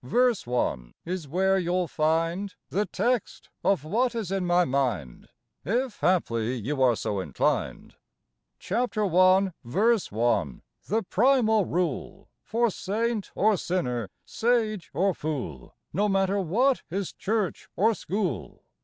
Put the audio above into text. verse 1, is where you'll find The text of what is in my mind If, haply, you are so inclined. Chap. I., verse 1 the primal rule For saint or sinner, sage or fool, No matter what his church or school.